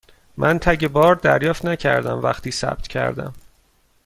من تگ بار دریافت نکردم وقتی ثبت کردم.